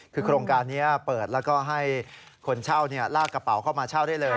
คือโครงการนี้เปิดแล้วก็ให้คนเช่าลากกระเป๋าเข้ามาเช่าได้เลย